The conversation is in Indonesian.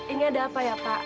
ini ada apa ya pak